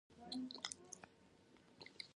کوښښ وکه، چي خپله لوى سې، د نورو په لويي مه نازېږه!